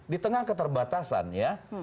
di tengah keterbatasan ya